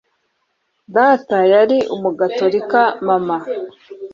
data yari umugatolika mama